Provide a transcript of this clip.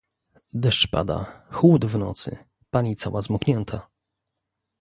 "Deszcz pada, chłód w nocy, pani cała zmoknięta."